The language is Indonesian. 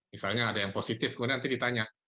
misalnya ada yang positif kemudian nanti ditanya